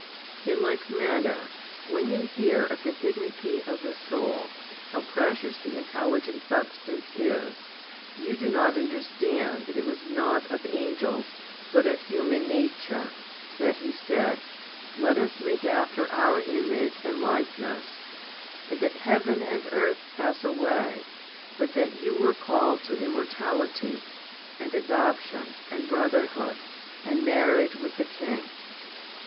In like manner, when you hear of the dignity of the soul, how precious the intelligent substance is, you do not understand that it was not of angels, but of human nature, that He said, Let Us make after Our image and likeness, 2 and that heaven and earth pass away, but that you were called to immortality, and adoption and brotherhood, and marriage with the King.